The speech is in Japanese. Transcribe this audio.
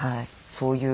そういう。